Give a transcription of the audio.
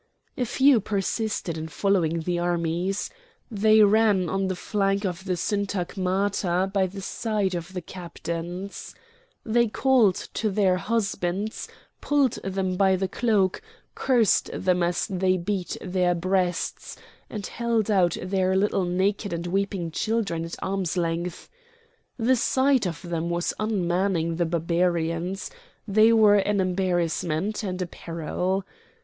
A few persisted in following the armies. They ran on the flank of the syntagmata by the side of the captains. They called to their husbands, pulled them by the cloak, cursed them as they beat their breasts, and held out their little naked and weeping children at arm's length. The sight of them was unmanning the Barbarians; they were an embarrassment and a peril.